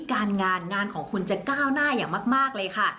การงานงานของคุณจะก้าวหน้าอย่างมากเลยค่ะ